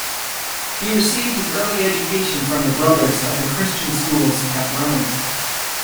He received his early education from the Brothers of the Christian Schools at Rome.